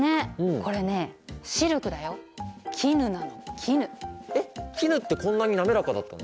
これねえっ絹ってこんなに滑らかだったの？